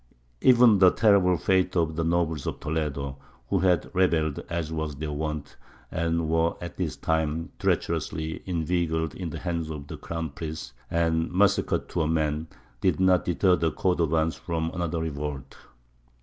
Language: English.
Even the terrible fate of the nobles of Toledo, who had rebelled, as was their wont, and were at this time treacherously inveigled into the hands of the Crown Prince and massacred to a man, did not deter the Cordovans from another revolt.